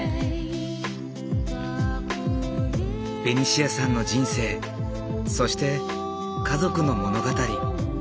ベニシアさんの人生そして家族の物語。